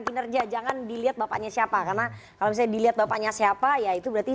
kinerja jangan dilihat bapaknya siapa karena kalau saya dilihat bapaknya siapa yaitu berarti